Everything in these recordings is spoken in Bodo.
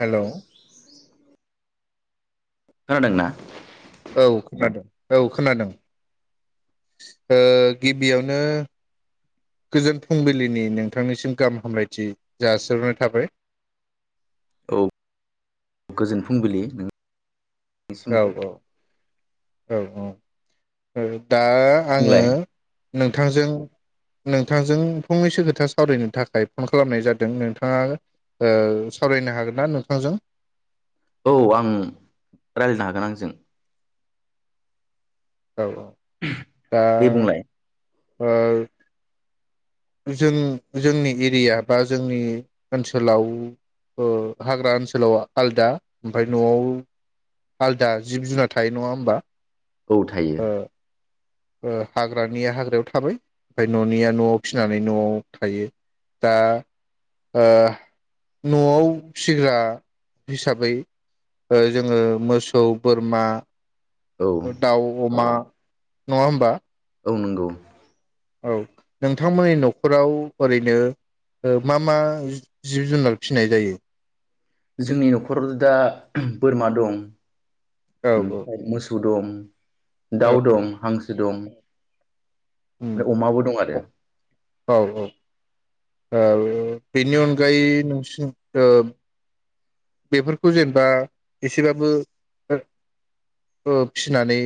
हेल'‌ खोनादोंना? औ खोनादों औ खोनादों ओ गिबियावनो गोजोन फुंबिलिनि नोंथांनिसिम गाहाम हामलायथि जासिहरनाय थाबाय। औ गोजोन फुंबिलि नों औ औ औ औ ओ दा आङो बुंलाय नोंथांजों नोंथांजों फंनैसो खोथा सावरायनो थाखाय फन खालामनाय जादों नोंथाङा ओ सावरायनो हागोन ना नोंथांजों? औ आं रायलायनो हागोन आंजों। औ औ दा दे बुंलाय ओ जों जोंनि एरिया बा जोंनि ओनसोलाव ओ हाग्रा ओनसोलाव आलदा ओमफ्राय न'आव आलदा जिब जुनार थायो नङा होमबा। औ थायो। ओ ओ हाग्रानिया हाग्रायाव थाबाय ओमफ्राय न'निया न'आव फिसिनानै न'आव थायो दा ओ न'आव फिग्रा हिसाबै ओ जोङो मोसौ बोरमा। औ दाउ, अमा नङा होमबा? औ नंगौ। औ नोंथांमोननि न'खराव ओरैनो ओ मा मा जिब जुनार फिसिनाय जायो? जोंनि न'खराव दा बोरमा दं। औ ओमफ्राय मोस सौ दं। औ दाउ दं हांस सो दं। उम ओमफ्राय अमाबो दं आरो औ औ आरो बेनि अनगायै नोंसिनि ओ बेफोरखौ जेनेबा एसेबाबो ओ फिनानै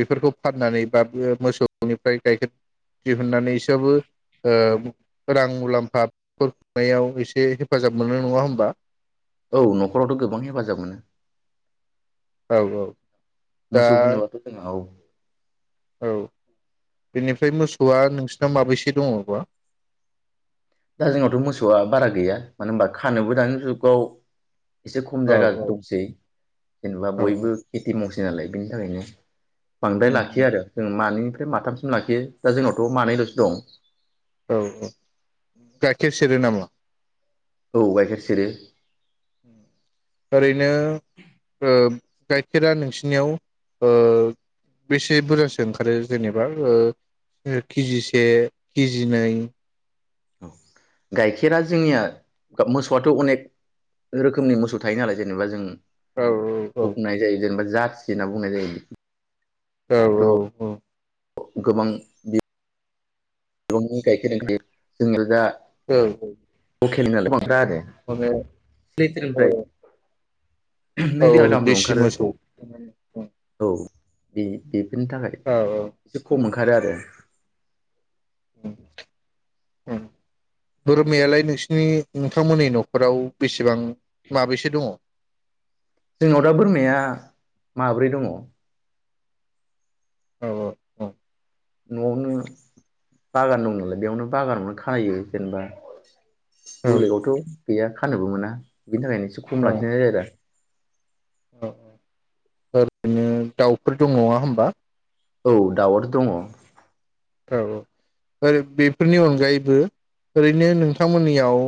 बेफोरखौ फाननानै बा मोसौनिफ्राय गाइखेर दिहुननानै एसेबाबो ओ रां मुलाम्फा [inaudible] खुंनायाव एसे हेफाजाब मोननाय नङा होनबा? औ न'खरावथ' गोबां हेफाजाब मोनो। औ औ। दा मोसौ होनोबाथ' जोंहा औ औ बेनिफ्राय मोसौआ नोंसि आ माबैसे दङबा? दा जोंनावथ' मोसौआ बारा गैया मानो होनबा खानोबो दानि जुगाव एसे खम औ जायगा औ दंसै जेनेबा औ बयबो खेथि मावसै। नालाय बेनि थाखायनो बांद्राय उम लाखियो उम आरो जों मानि माथामिस लाखि दा जोंनाव मानैल'सो दं। केसिरि नामा? औ गाइखेर सेरो। ओरैनो ओ गाइखेरा नोंसिनियाव ओ बेसे बुरजासो ओंखारो जेनेबा केजिसे केजिनै? ओं गाइखेरा जोंनिया मोसौआथ' अनेक रोखोमनि मोसौ थायो नालाय जेनेबा जों औ औ हखनाय जायो जेनबा जा जेना बुंनाय जायोदि औ औ औ। गोबां बि दंनि गाइखेर दोंख जोङो दा औ औ खेल नाल रादे माने औ लेट्रेंनिफ्राय औ देसि मोसौ बि इ बिनि थाखाय औ एसे खम ओंखारो आरो उम उम बोरमायालाय नोंसिनि नोंथांमोननि न'खराव बेसेबां माबेसो दङ? जोंनाव दा बोरमाया माब्रै दङ। औ औ औ। न'आवनो । बागान दं नालाय बेयावनो बागानावनो खायो जेनेबा औ बुलेगआवथ' गैया। फानोबोमोना बिनि थाखायनो एसे खम औ लाखिनाय जायो आरो औ औ ओरैनो दाउफोर दं नङा होनबा? औ दाउआथ' दङ। औ औ ओ बेफोरनि अनगायैबो ओरैनो नोंथांमोननियाव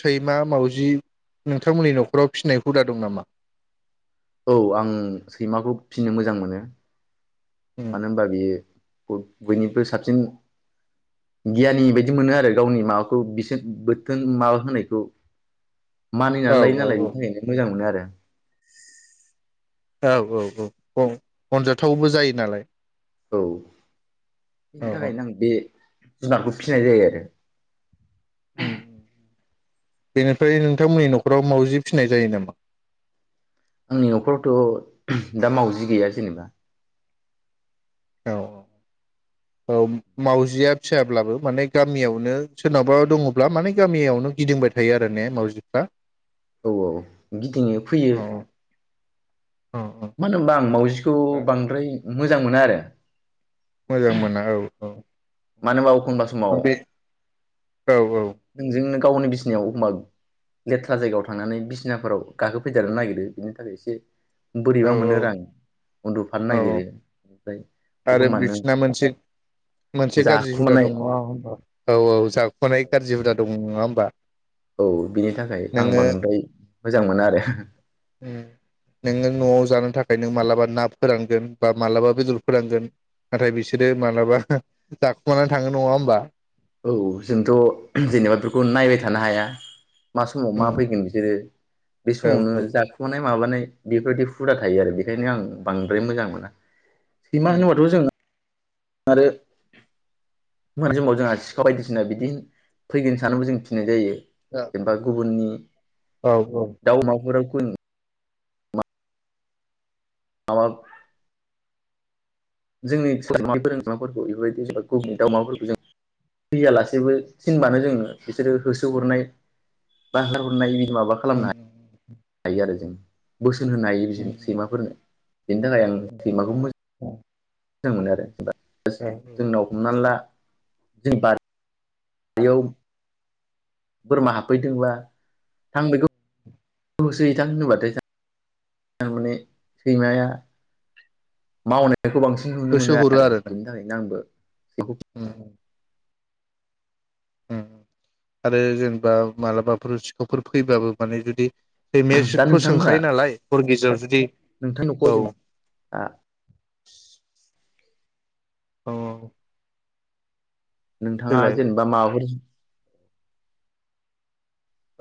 सैमा मावजि नोंथांमोननि न'खराव फिनाय हुदा दं नामा? औ आं सैमाखौ फिनो मोजां मोनो। उम मानो होनबा बियो। ब-बयनिख्रुइ साबसिन गियानि बायदि मोनो आरो गावनि माबाखौ बिसोर बोथोन माबा होनायखौ । औ मानिनानै लायो औ नालाय औ बेनि थाखायनो मोजां मोनो आरो । औ औ औ अनजाथावबो जायो नालाय औ औ बेनि औ थाखायनो आं बे जुनारखौ फिसिनाय जायो आरो । उम बेनिफ्राय नोंथांमोननि न'खराव मावाउजि फिनाय जायो नामा? आंनि न'खरावथ' दा मावजि गैया जेनेबा । औ औ औ मावजिया फियाब्लाबो माने गामियावनो सोरनावाबा दङब्ला माने गामियावनो गिदिंबाय थायो आरो ने मावजिफ्रा? औ औ गिदिङो फैयो औ औ औ मानोमबा आं मावउजिखौ बांद्राय मोजां मोनो आरो । मोजां मोना औ औ मानोबा अ ओ बे औ औ नोंजोंनो गावनि बिसिनायाव अमबा लेथ्रा जायगायाव थांनानै बिसिनाफोराव गाखोफैदेरनो नागिरो बिनि थाखाय एसे औ बोरैबा मोनो राआं उन्दुफानो औ औ नागिरो आरो एखनबा नों बिसोरना मोनसे-मोनसे गाज्रि हुदा जाखुमानाय दङ औ औ जाखुमानाय गाज्रि हुदा दं । नङा होमबा? औ बिनि थाखाय आं नोङो बांद्राय मोजां मोना आरो । ओमफ्राय नों मालाबा ना फोरानांगोन बा मालाबा बेदर फोरानगोन नाथाय बिसोरो माब्लाबा जाखुमानानै थाङो नङा होमबा? औ जोंथ' जेनेबा बेफोरखौ नायबाय था थानो हाया मा समाव मा उम फैगोन बिसोरो बे औ समावनो जाखुमानाय माबानाय बेफोरबायदि हुदा थायो आरो बेनिखायनो आं बांद्राय मोजां मोना । सैमा होनोबाथ' जों आरो [unintelligible] बायदिसिना बिदि फैगोन सानबो जों फिनाय जायो । जेनबा गुबुननि औ औ दाव अमाफोराव उन आवाब जोंनि सा फोरोंगाफोरखौ बेफोरबायदि जेनबा गुबुमनि दाउमाफोरखौ जों फैयालासेबो थिनबानो जोंङो बिसोरो होसोहरनाय बा हारहरनाय [unintelligible] माबा उम खालामनाय हायो आरो जों बुस्थ [unintelligible] बोसोन होनो हायो बिजोंनो उम सैमाफोरनो बेनि थाखाय आं सैमाखौ मोजां मोजां मोनो आरो औ जोंनाव हमनानै ला जों बार आव बोरमा हाबफैदोंब्ला थां बेखौ होसोहैथां होनोबाथायमाने सैमाया मावनाय बेखौ बांसिन नुनो होसो मोनो हरो आरो ना बेनि थाखायनो आंबो [inaudible] ओं ओं आरो जोंबा मालाबाफोर सिखावफोर फैबाबो माने जुदि दा सैमायाथ' नोंथांमोनहा सोंखायो नालाय हर गेजेराव जुदि नोंथांनि न'खराव औ जेनेबा औ औ नोंथाङा जेनेबा माबाफोर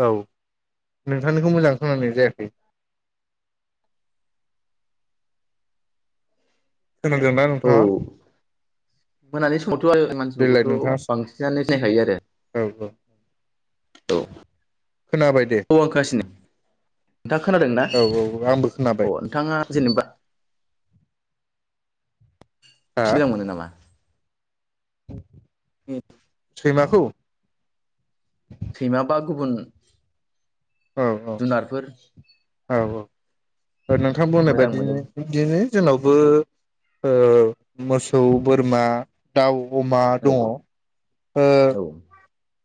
औ नोंथांनिखौ मोजां खोनानाय जायाखै खोनादोंना औ नोंथाङा मोनानि थ देलाय मानसिफोरखौथ' नोंथाङा बांसिनानो सिनायखायो आरो औ औ [unintelligible] थ खोनाबाय दे औ आखासिनो [unintelligible] नोंथाङा खोनादों ना औ औ आंबो खोनाबाय अ नोंथाङा जेनेबा हा सिगां मोनो नामा [unintelligible] [inaudible] उम सैमाखौ सैमा बा गुबुन औ जुनारफोर औ औ नोंथांआ बुंनाय मोजां बायदिनो मोनो बिदिनो जोंनावबो ओ मोसौ बोरमा दाउ अमा औ दङ औ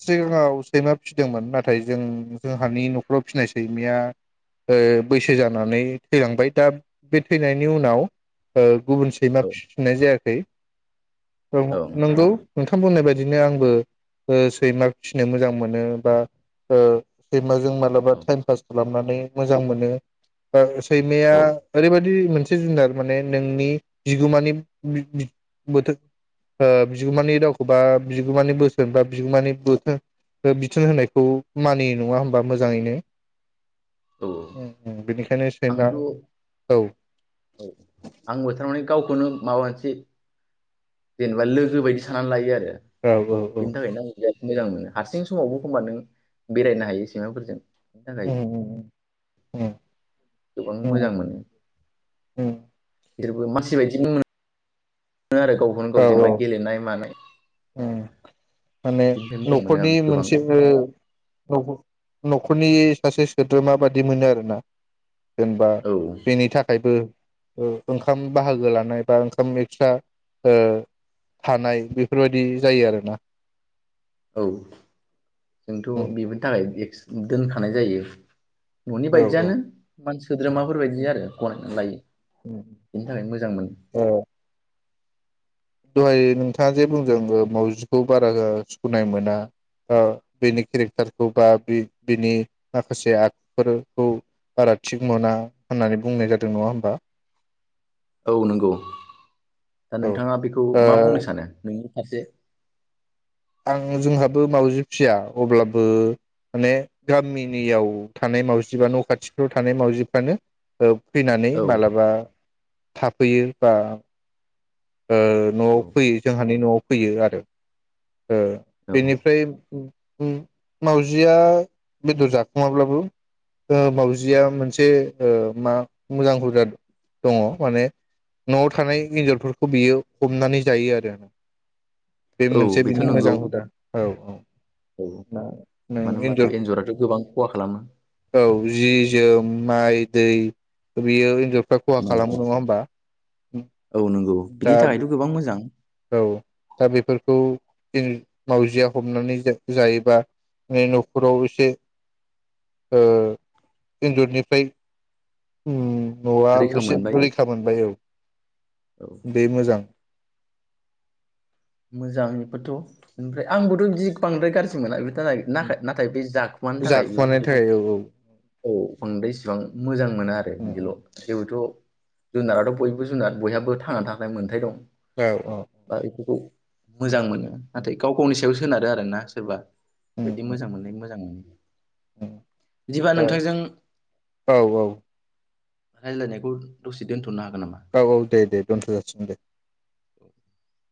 सिगाङाव सैमा फिसिदोंमोन नाथाय जों जोंहानि न'खराव फिसिनाय सैमाया ओ बैसो जानानै थैलांबाय दा बे थैनायनि उनाव ओ गुबुन सैमा औ फिफिननाय जायाखै औ नंगौ नोंथां बुंनाय बाय बिदिनो आंबो ओ सैमा फिसिनो मोजां मोनो बा ओ जों मालाबा औ थाइफास खालामनानै मोजां मोनो ओ सैमाया औ ओरैबायदि मोनसे जुनार माने नोंनि बिगोमानि [unintelligible] बोथोर ओ बिगोमानि रावखौ बा बिगोमानि बोसोन बा बिगोमानि [unintelligible] बिथोन होनायखौ मानिनाय नङा होमबा मोजाङैनो? औ बेनिखायनो सैमा आंथ' औ औ आंबो थारमाने गावखौनो माबा मोनसे जेनेबा लोगो बायदि सानानानै लायो आरो औ औ औ बिनि थाखायनो आं मोजां मोनो हारसिं समावबो एखमबा नों बेरायनो हायो सैमाफोरजों बिनि थाखाय उम उम उम गोबां उम मोजां मोनो उम गिदिरबो मानसि बायदिबो मोनो नो आरो गावखौनो गाव औ जेनेबा औ गेलेनाय मानाय उम माने बिनिफ्राय मोजां मोनो न'खरनि आं गोबां मोनसेबो न'ख न'खरनि सासे सोद्रोमा बादि मोनो आरोना जेनेबा औ बेनि थाखायबो ओ ओंखाम बाहागो लानाय बा ओंखाम एक्सट्रा ओ थानाय बे बेफोरबायदि जायो आरोना औ जोंथ बेफोरनि थाखाय एकस दोनखानाय जायो न'नि औ बायदियानो मान सोद्रोमाफोर बायदि आरो गनायनानै लायो बेनि थाखायनो मोजां मोनो औ दहाय नोंथाङा जे बुंदों मावजिखौ बारा ओ सुखुनाय मोना बा ओ बेनि केरेक्टारखौ बा बे बेनि माखासे आखुफोरखौ बारा थिग मोना होननानै बुंनाय जादों नङा होमबा? औ नंगौ दा नोंथाङा बेख खौ मा औ बुंनो सानो बे नि फारसे आं जोंहाबो मावउजि फिया अब्लाबो माने गामिनियाव थानाय मावजि बा न' खाथिफ्राव थानाय मावजिफ्रानो ओ फैनानै औ मालाबा थाब फैयो बा ओ औ न'आव फैयो जोंहानि न'आव फैयो आरो ओ औ बेनिफ्राय उम मावजिया बेदर जाखुमाब्लाबो ओ मावजिया मोनसे ओ मा मोजां हुजा दङ माने न'आव थानाय एन्जरफोरखौ बियो हमनानै जायो आरो औ बे मोजां हुदा औ औ औ नों मानो एन्जर होनबाथ' एन्जराथ' गोबां खहा खालामो औ जि जोम माइ दै बियो एनजर फ्राय खहा खालामो नङा होनोमबा औ नो नंगौ बिनि थाखायथ' गोबां मोजां औ दा बेफोरखौ ओ मावजिया हमनानै जायोबा बे न'खराव एसे ओ एन्जरनिफ्राय उम न'आ रैखा बेसे मोनबाय रैखा मोनबाय औ औ बे मोजां मोजांनिबोथ' ओमफ्राय आंबोथ' बिदि बांद्राय गाज्रि मोना बे ना नाथाय बे जाखुमानि थाखाय जाखुमानायनि बेफोरबायदि थाखाय औ औ बांद्राय इसिबां मोजां मोना आरो बिल' जेबोथ' जुनाराथ' बयबो जुनार बयहाबो थांनो थाखाय मोनथाय दं औ औ बा बेखौ मोजां मोनो नाथाय गाव गावनि सा सायाव सोनारो आरोना सोरबा बिदि मोजां मोनलनाय मोजां मोनो बिदिबा नोंथांजों औ रायजलायनायखौ दसे दोनथ'नो हागोन नामा औ औ दे दे दोनथ' जासिगोन दे [inaudible]